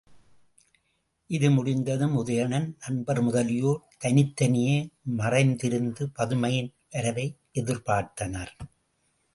இது முடிந்ததும் உதயணன் நண்பர் முதலியோர், தனித்தனியே மறைந்திருந்து பதுமையின் வரவை எதிர் பார்த்தனர்.